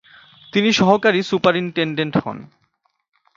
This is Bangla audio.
তিনি সহকারী সুপারিনটেনডেন্ট হন।